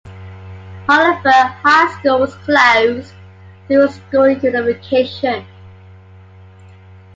Hollenberg High School was closed through school unification.